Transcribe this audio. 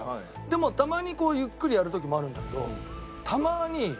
でもたまにゆっくりやる時もあるんだけど。